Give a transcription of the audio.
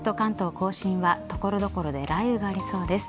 甲信は所々で雷雨がありそうです。